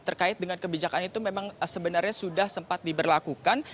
terkait dengan kebijakan itu memang sebenarnya sudah sempat diberlakukan